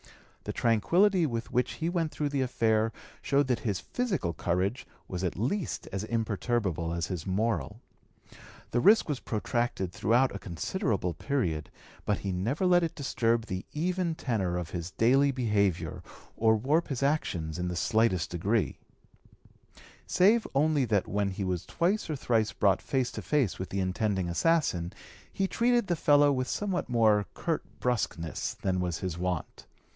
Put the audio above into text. The tranquillity with which he went through the affair showed that his physical courage was as imperturbable as his moral. The risk was protracted throughout a considerable (p. 208) period, but he never let it disturb the even tenor of his daily behavior or warp his actions in the slightest degree, save only that when he was twice or thrice brought face to face with the intending assassin he treated the fellow with somewhat more curt brusqueness than was his wont.